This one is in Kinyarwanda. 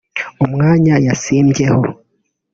umwanya yasimbyeho